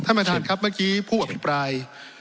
ท่านประธานครับเมื่อกี้ผู้อภิปราย